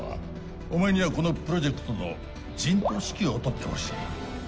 お前にはこのプロジェクトの陣頭指揮を執ってほしい。